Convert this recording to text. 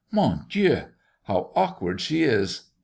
Mon Dieu! how awkward she is!